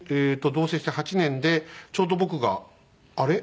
同棲して８年でちょうど僕があれ？